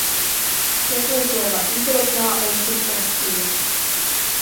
Честное слово! — ӱдыр окна ончык ошкыльо.